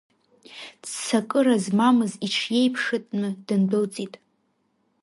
Ццакыра змамыз иҽиеиԥшытәны, дындәылҵит.